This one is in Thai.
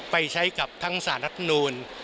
ไปใช้กับทั้งสารรัฐมนูล